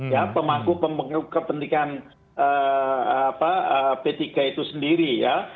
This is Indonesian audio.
ya pemangku pemangku kepentingan p tiga itu sendiri ya